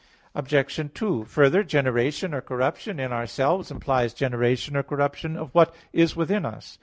Obj. 2: Further, generation or corruption in ourselves implies generation or corruption of what is within us.